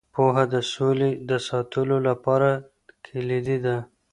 پوهه د سولې د ساتلو لپاره کلیدي ده.